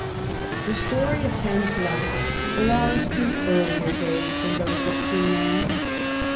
The story of Penn's life belongs to earlier days than those of Queen Anne.